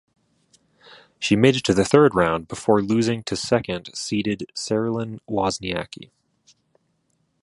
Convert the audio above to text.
She made it to the third round, before losing to second seeded Caroline Wozniacki.